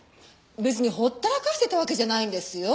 別にほったらかしてたわけじゃないんですよ。